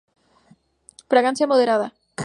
Fragancia moderada.